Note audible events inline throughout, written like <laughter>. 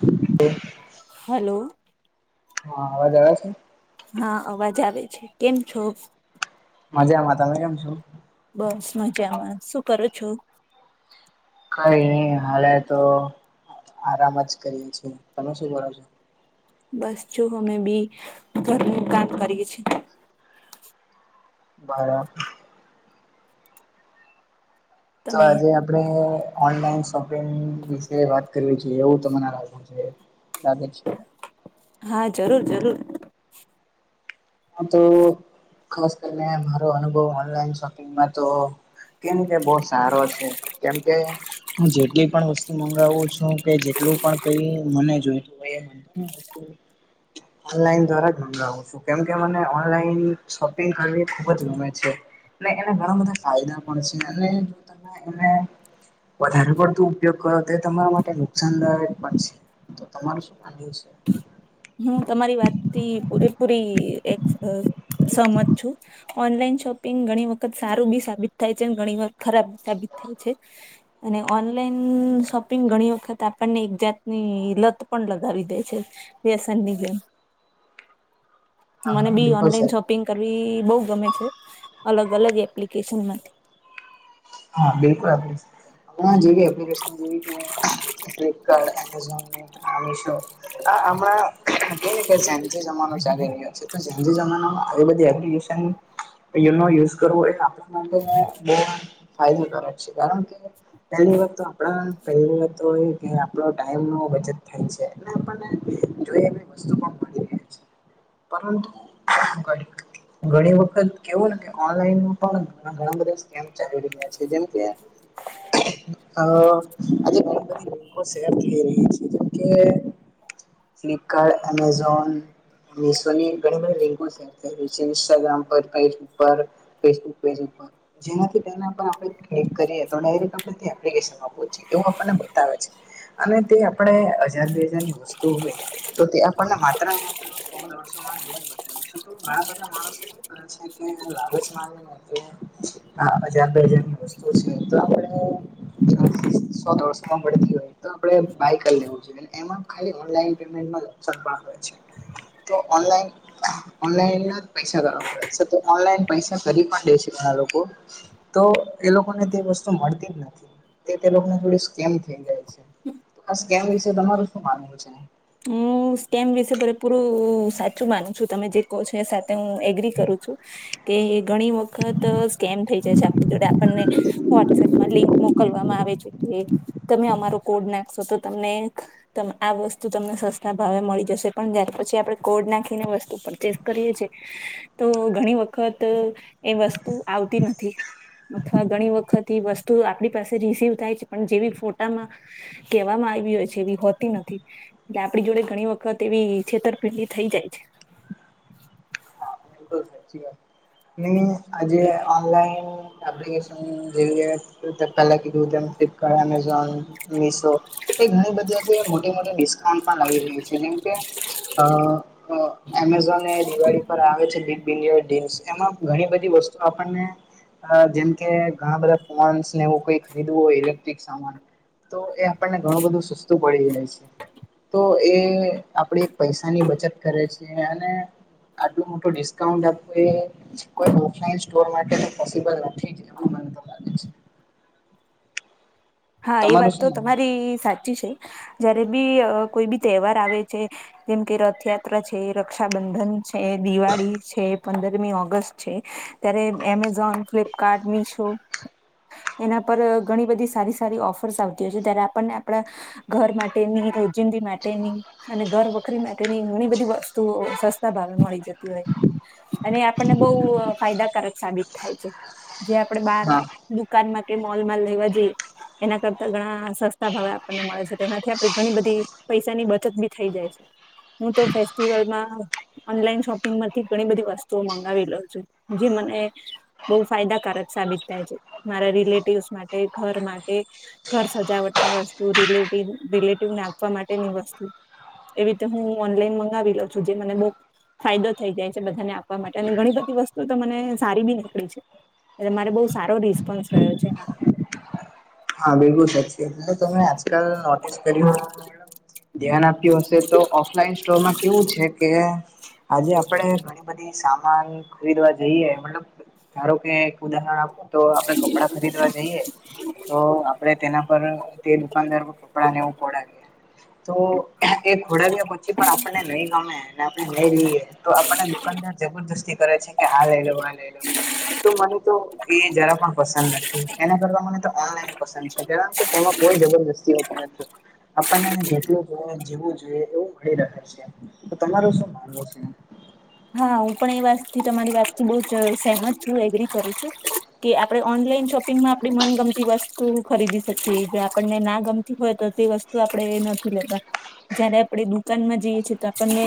Hello. Hello. હા અવાજ આવ છે. હા અવાજ આવે છે કેમ છો? મજામાં તમે કેમ છો? બસ મજામાં શું કરો છો? કઈ નહી હાલે તો આરામ જ કરીએ છીએ તમે શું કરો છો? બસ જો અમે બી ઘરનું કામ કરીએ છીએ. બરા તો તમે આજે આપણે ઓનલાઈન શોપિંગ વિશે વાત કરવી જોઈએ એવું તો મને લાગે છે. લાગે છે. હા જરૂર-જરૂર. ખાસ કરીને મારો અનુભવ ઓનલાન શોપિંગ તો કે કે બહ સારો છે, કેમ કે હું જેટલી પણ વસ્તુ મંગાવું છું કે જેટલું પણ કઈ મને જોઈતું હોય. ઓનલાઈન દ્વારા ગામાવું છું. કેમકે મને ઓનલાઈન શોપિંગ કરવી ખૂબ જ ગમે છે. અને એને ઘણા બધા ફાયદા પણ છે અને જો તમે એને વધારે પડતું ઉપયોગ કરો તો એ તમારા માટે નુકસાનદાયક પણ છે. તો તમારું શું ડ છે? હું તમારી વાત થી પૂરેપૂરી એક સહમત છું. ઓનલાઈન શોપિંગ ઘણી વખત સારું બી સાબિત થાય છે અને ઘણી વખત ખરાબ સાબિત થાય છે. અને ઓનલાઈન શોપિંગ ઘણી વખત આપણને એક જાતની લત પણ લગાવી દે છે. વ, હા મને બી બિલકુલ ઓનલાઈન સાહેબ. શોપ પિંગ કરવી બહ ગમે છે, અલગ અલગ એપ્લિકેશનમાંથી. હા બિલકુલ આપ આપપ્ક ફ્લિપકાર્ટ એમેઝોન આ મિશો. આ હમણાં કને કે જે જમાનો ચાલી રહ્યો છે. જે જમાનામાં આવી બધ, એપ્લિકેશન યુઝ કરવો એ આપ ફાયદાકારક છે કારણ કે, પહેલી વ આપણા પહે વા તો એ કે આપણો ટાઈમ નો બચત થાય છે એ આપણને જોઈ ુ <unintelligible> ઘણી વખત કેવું ને કે ઓનલાઈનમાં પણ ઘણા બધા ચાલી રહ્યું છે જેમ કે હ <inaudible> આજ ઘણી બધી લોકો શેર થઈ રહી છેકે ફ્લિપકાર્ટ, એમેઝોન. શવની ઘણી બધી લિંકો છે ઇન્સ્ટાગ્રામ પર ફેસબુક પર. ફેસબ પેજ ઉપ જેનાથી તેના આપ્લિક કરીએ તો ડાયરેક આપણે એપ્લિકની એવું આપણને બતાવે છે. અને તે આપણે હજાર બે હજારની વસ્તુ હોય, તો તે આપણને માત્ર માત્ર સો ડોસો માં નેવુજ બધીયુ છું ઘણા બધા માણસો છે. છે કે લાલચ માની <unintelligible> આ ત્યાંર બેજારની વસ્તુ છે તો આપણે સો દોઢસો માં મડતી હોય તો આપડે બાય કર લેવું જોઈએ. એમાં ખાલી ઓનલાઈન પેમેન્ટ માં <unintelligible> તો ઓનલાઇન ઓનલાઈન ના જ પૈસા કરવા પડેછે તો ઓનલાઈન પૈસા કરી પણ દે છે ઘણા લોકો. તો એ લોકોને તે વસ્તુ મળતી જ નથી, તે તે લોકોને જોડે સ્કેમ થઈ જાય છે. તો આ સકેમ વિશે તમારું શું માનવું છે? હું સ્કેમ વિશે પૂરે પૂરું સાચું માનું છું તમે જે કહો છો એ હું એગ્રી કરું છું, કે ઘણી વખત સ્કેમ થઈ જાય છે આપણી જોડે આપણને વોટસએપમાં લિંક મોકલવામાં આવે જોકે તમે અમારો કોડ નાખશો તો તમને આ વસ્તુ તમને સસતી ભાવે મળી જશે પણ જયાર પછી આપણે કોડ નાખીને વસ્તુ પરચેસ કરીએ છીએ. તો ઘણી વખત એ વસ્તુ આવતી નથી. અથવા ઘણી વખત એ વસ્તુ આપણી પાસે રિસીવ થાય છે પણ જેવી ફોટામાં. કેવામાં આવી હોય છે એવી હોતી નથી. એટલે આપણી જોડે ઘણી વખત એવી છેતરપિંડી થઈ જાય છે. બવ સાચી વાત છે, ને આજે ઓનલાઈન એપ્લિકેશન જેવીય પેલું તકાલ કીધું તેમ ફ્લિપકાર્ટ અમેઝોન, મિશો. એ ઘણી બધી મોટી મોટી ડિસ્કાન્ટ પણ આવી રહી છે જેમકે અ એમેઝોન એ દિવાળી પર આવે છે. ડપીન યોર ડીનસ એમાં ઘણી બધી વસ્તુ આપણને ત્યાં જેમ કે ઘણા બધા ફોનસ ને એવું કોઈ ખરીદવું હોય ઇલેક્ટ્રિક સામાન. તો એ આપણને ઘણું બધું સસ્તું પડી જાય છે. તો એ આપણે પૈસાની બચત કરે છે અને આટલું મોટું ડિસ્કાઉન્ટ આપવું એ કોઈ ઓફલાઇન સ્ટોર માટે તો પોસિબલ નથી. જ એવું હ મને તો <inaudible> લાગે છે. હા એ તમારું વાત તો શું માનવું છે? તમારી સાચી છે, જયારે બી કોઈ બી તહેવાર આવે છે. જેમ કે રથયાત્રા છે, રક્ષાબંધન છે, દિવાળી છે. પંદરમી ઓગસ્ટ છે, ત્યારે એમેઝોન ફ્લિપકાર્ટ મીશો. એના પર ઘણી બધી સારી સારી ઓફર્સ આવતી હોય છે ત્યારે આપણને આપણા. ઘર માટેની રો જિંદી માટેની. અને ઘર વખરી માટેની ઘણી બધી વસ્તુઓ સસ્તા ભાવે મળી જતી હોય. અને એ આપણને બઉ ફાયદાકારક સાબિત થાય છે. જે આપણે બાર હા. દુકાનમાં કે મોલમાં લેવા જઈએ. એના કરતા ઘણા સસ્તા ભાવે આપણને મળે છે એનાથી આપણી ઘણી બધી પૈસાની બચત બી થઇ જાય છે. હું તો ફેસ્ટિવલમાં ઓનલાઈન શોપિંગમાંથી ઘણી બધી વસ્તુઓ મંગાવીલોઉ છું, જે મને બહુ ફાયદાકારક સાબિત થાય છે, મારા રિલેટિવસ માટે ઘર માટે. ઘર સજાવટ ની વસ્તુ રિલે રિલેટિવને આપવા માટેની વસ્તુ. એવી રીતે હું ઓનલાઈન મંગાવી લઉ છું જે મને બવ ફાયદો થઈ જાય છે બધાને આપવા માટે અને ઘણી બધી વસ્તુ તો મને સારી બી નીકળી છે. એટલે મારે બહુ સારો રિસ્પોન્સ રહ્યો છે એમાં. હા બિલકુલ સાચી વાત એટલે તમે આજકાલ નોટિસ કરીય, ધ્યાન આપ્યું હસે તો ઓફલાઈન સ્ટોરમાં કેવું છે કે. આજે આપણે ઘણી બધી સામાન. ખરીદવા જઈએ મતલબ ધારો કે ઉદાહરણ આપું તો આપડે કપડા ખરીદવા જઈએ. તો આપડે તેના પર તે દુકાનદાર પર કપડાં નેવું પડાવી. તો એ ખોડાવ્યા પછી પણ આપણને નહી ગમે. નહી ર તો આપડા દુકાનદાર જબરદસ્તી કરે છે. આ લઈ લો આ લઈ લો, તો મને તો એ જરા પણ પસંદ નથી, એના કરતા મને કારણ કે તેમાં કોઈ જબરજસ્તી હોતી નથી. આપણને જેટલું જવું જોઈએ એવું મળી રહે છે, તો તમાર શું માનવું છે? હા હું પણ એ વાતથી તમારી વાતથી બહ જ સહેમજ છું એગ્રી કરું છું. કે આપડણે ઓનલાઈન શોપિંગમાં આપણી મનગમતી વસ્તુ ખરીદી શકીએ જે આપણને ના ગમતી હોય તો તે વસ્તુ આપડે એ નથી લેતા. જયારે આપણેે દુકાન માં જઈએ છીએ તો આપણને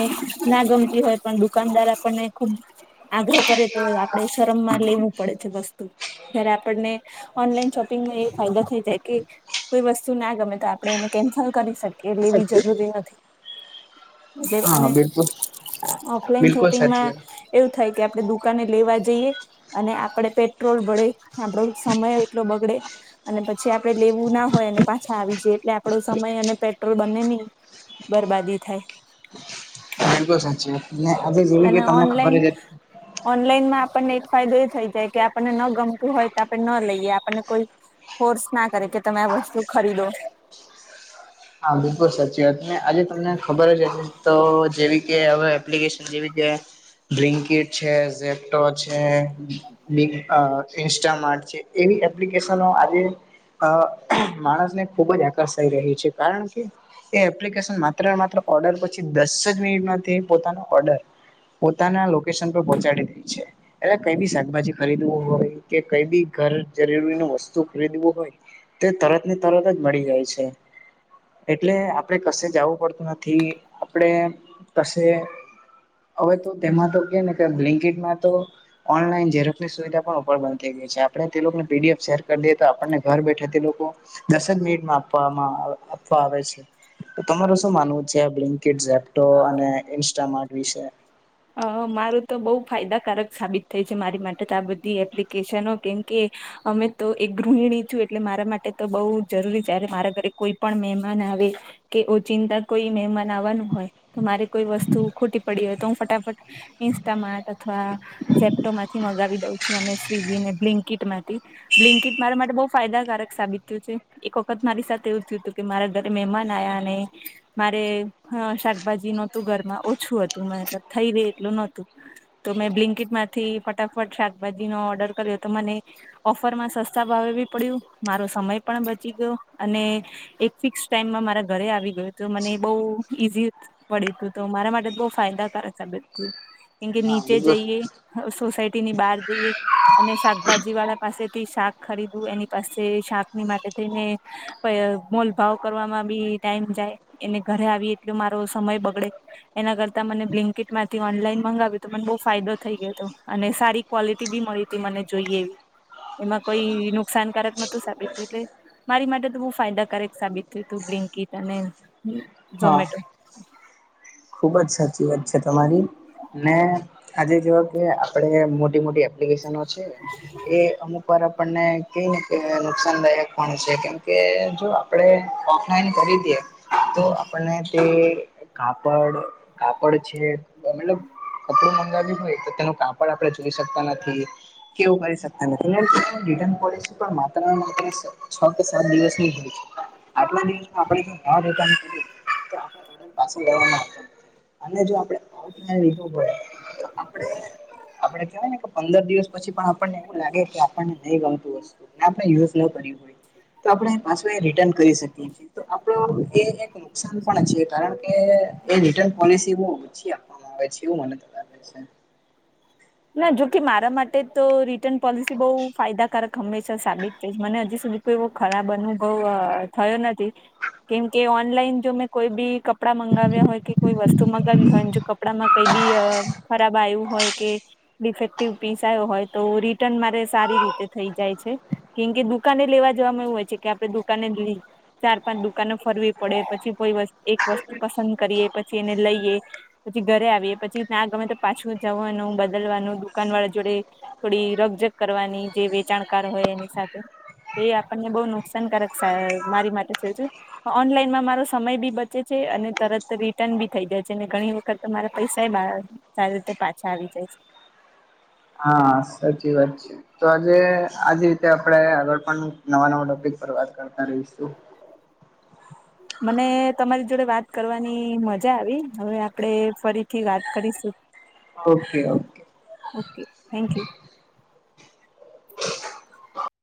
ના ગમતી હોય પણ દુકાનદાર આપણને ખુબ આગ્રહ કરે તો આપણે શરમ માં લેવું પડે છે વસ્તુ. જ્યારે આપણને, ઓનલાઈન શોપિંગને એ ફાયદા થઈ જાય કે કોઈ વસ્તુ ના ગમે તો આપણે એને કેન્સલ કરી શકીએ લેવી જરૂરી નથી. હા અને બિલકુલ ઓફલાઈન બિલકુલ સાચી શોપિંગમાં એવું થાય કે આપણે દુકાને લેવા જઈએ. અને આપડે પેટ્રોલ બળે આપણો સમય એટલો બગડે. અને પછી આપડે લેવું ના હોય અને પાછા આવી જાય એટલે આપડો સમય અને પેટ્રોલ બને ની બરબાદી થાય. બિલકુલ સાચી વાત ને આજે જેવી કે અને તમને ખબર ઓનલાઈન જ હ ઓનલાઈનમાં આપણને એક ફાયદો એ થઈ જાય કે આપણને ન ગમતું હોય તો આપણે ન લઈએ આપણને કોઈ કોર્સ ના કરે કે તમે આ વસ્તુ ખરીદો. હા બિલકુલ સાચી વાત ને આજે તમને ખબર જ હશે તો જેવી કે હવે એપ્લિકેશન જેવી કે બ્રિન્કીટ છે, ઝેપ્ટો છે, મિક અ ઇન્સ્ટામાર્ટ છે એવી એપ્લિકેશનો આજે અ માણસને ખુબ જ આકર્ષાઈ રહી છે કારણ કે એ એપ્લિકેશન માત્ર ને માત્ર ઓર્ડર પછી દસ જ મિનિટમાં તે પોતાનો ઓર્ડર પોતાના લોકેશન પર પહોંચાડી દે છે. એ કઈ બી શાકભાજી ખરીદવું હોય કે કઈ બી ઘર જરૂરી નું વસ્તુ ખરીદવું હોય ને. તે તરત ને તરત જ મળી જાય છે. એટલે આપણે કશે જાવું પડતું નથી આપણે કશે હવે તો તેમાં તો કે ને કે બ્લીન્કેટમાં તો ઓનલાઈન ઝેરોક્ષની સુવિધા પણ ઉપર બંધ થઈ ગઈ છે આપણે તે લોકોને પીડી એફ શેર કરી દઈએ તો આપણને ઘર બેઠા તે લોકો દસ જ મિનિટમાં આપવામાં આપવા આવે છે. તો તમાર શું માનવું છે આ બ્લીન્કેટ, ઝેપટોપ અને ઇન્સ્ટામાર્ટ વિશે. અ મારું તો બહુ ફાયદાકારક સાબિત થઈ છે મારી માટે તો આ બધી એપ્લિકેશનો કેમકે અમે તો એક ગૃહિણી છું એટલે મારા માટે તો બહુ જરૂરી જ્યારે મારા ઘરે કોઈ પણ મહેમાન આવે કે ઓ ચિંતા કોઈ મહેમાન આવવાનું હોય તો મારે કોઈ વસ્તુ ખોટી પડી હોય તો હું ફટાફટ ઇન્સ્ટામાર્ટ અથવા ઝપ્ટોમાંથી મગાવી દઉં છું અને સ્વિગી ને બ્લિન્કીટ માંથી. બ્લીન્કેટ મારા માટે બહુ ફાયદાકારક સાબિત થયું છે. એક વખત મારી સાથે એવું થયું હતું કે મારા ઘરે મહેમાન આયા ને. મારે શાકભાજી નહોતું ઘરમાં ઓછું હતું મતલબ થઈ રે એટલું નહોતું. તો મેં બ્લિંકીટ માંથી ફટાફટ શાકભાજીનો ઓર્ડર કર્યો તો મને ઓફર માં સસ્તા ભાવે બી પડ્યું મારો સમય પણ બચી ગયો અને એક ફિક્સ ટાઈમમાં મારા ઘરે આવી ગયું તો મને બહુ ઈઝી- પડ્યું તું તો મારા માટે બહુ ફાયદાકારક સાબિત થયું કેમકે હા નીચે બિલકુલ જઈએ. સોસાયટી ની બહાર જઈએ. અને શાકભાજી વાળા પાસેથી શાક ખરીદવું એની પાસે શાકની માટે થઈને પ મોલ ભાવ કરવાવામાં બી ટાઈમ જાય એને ઘરે આવી એટલો મારો સમય બગડે. એના કરતા મને બ્લિક કિટ માંથી ઓનલાઈન મંગાવ્યું તો મને બહુ ફાયદો થઈ ગયો હતો અને સારી ક્વોલિટી બી મળી હતી મને જોઈએ એવી. એમાં કોઈ નુકસાનકારક નોતું સાબિત થયું એટલે. મારી માટે તો બહુ ફાયદાકારક સાબિત થયું તું બ્લીનકીટ અને હા ઝોમેટો. ખુબ જ સાચી વાત છે તમારી. ને આજે જોવો કે આપડે મોટી-મોટી એપ એપલિકેશનો છે એ અમુકવાર આપ આપણને કેયને કે નુકસાનદાયક પણ છે કેમકે જો આપણે ઓફલાઈન ખરીદીએ તો આપણને તે <unintelligible> કાપડ છે મતલબ કપડું મંગાવ્યું હોય તો તેનો કાપડ આપણે જોઈ શકતા નથી. એવું કરી શકતા નથી ને રિટર્ન પોલસી પણ માત્ર ને માત્ર છ કે સાત દિવસની <inaudible> <unintelligible> તો આપણે ઓર્ડર પાછો અને જો આપણે ઓનલાઇન લીધું હોય તો આપડે આપડે કહેવાય ને કે પંદર દિવસ પછી પણ આપણને એવું લાગે કે આપણને નહી ગમતું હશે. <unintelligible> તો આપણે પાછું રિટર્ન કરી શકીએ છીએ તો આપડો એ એક નુકસાન પણ છે કારણ કે એની રીટન પોલિસી બહુ ઓછી આપવામાં આવે છે એવું મને તો લાગે છે. ના જોકે મારા માટે તો રિટર્ન પોલિસી બહુ ફાયદાકારક હંમેશા સાબિત થઈ મને હજી સુધી એવો ખરાબ અનુભવ થયો નથી. કેમકે ઓનલાઈન જો મેં કોઈ બી કપડા મગાવ્યા હોય કે કોઈ વસ્તુ મંગગાવી હોયને જો કપડામાં કઈ બી ખરાબ આવ્યું હોય કે ડિફેક્ટિવ પીસ આયો હોય તો રિટર્ન મારે સારી રીતે થઈ જાય છે. કેમ કે દુકાને લેવા જવામાં એવું હોય છે કે આપડે દુકાને લીધુ ચાર પાંચ દુકાનો ફરવી પડે પછી કોઈ એક વસ્તુ પસંદ કરીએ પછી એને લઈએ પછી ઘરે આવીએ પછી ના ગમે તો પાછું જવાનું બદલવાનું દુકાન વાળા જોડે થોડી રગજગ કરવાની જે વેચાણકાર હોય એની સાથે એ આપણને બહ નુકસાનકારક મારી માટે <unintelligible> ઓનલાઈનમાં મારો સમય બી બચે છે અને તરત રિટર્ન બી થઈ જાય છે અને ઘણી વખત મારે પૈસા <unintelligible> સારી રીતે પાછા આવી જાય છે. હા સાચી વાત છે તો આજ રીતે આપણે આગળ પણ નવા નવા ટોપિક પર વાત કરતા રહીશું. મને તમારી જોડે વાત કરવાની મજા આવી હવે આપડે ફરીથી વાત કરીશું. <inaudible> Okay okay okay thank you